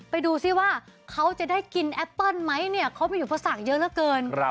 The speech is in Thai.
ไปดูซิว่าเขาจะได้กินแอปเปิ้ลไหมเนี่ยเขามีอุปสรรคเยอะเหลือเกิน